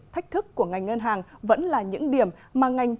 thách thức của ngành ngân hàng vẫn là những điểm mà ngành